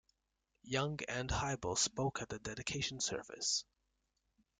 Young and Hybels spoke at the dedication service.